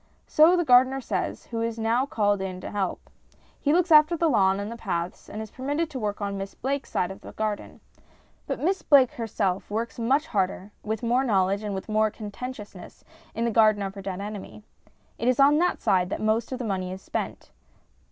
So the gardener says, who is now called in to help. He looks after the lawn and the paths, and is permitted to work on Miss Blake's side of the garden. But Miss Blake herself works much harder, with more knowledge, and with more conscientiousness in the garden of her dead enemy. It is on that side that most of the money is spent.